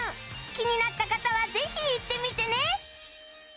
気になった方はぜひ行ってみてね！